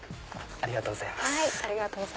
ありがとうございます。